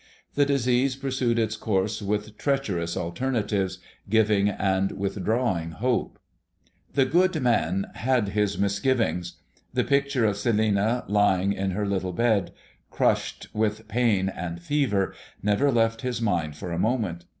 The disease pursued its course with treacherous alternatives, giving and withdrawing hope. The good man had his misgivings. The picture of Celinina, lying in her little bed crushed with pain and fever, never left his mind for a moment.